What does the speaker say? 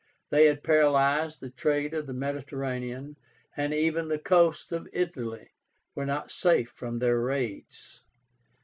They had paralyzed the trade of the Mediterranean, and even the coasts of Italy were not safe from their raids.